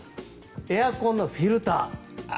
２エアコンのフィルター。